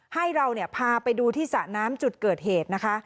ให้เราพาไปดูที่สระน้ำจุดเกิดเหตุนะคะ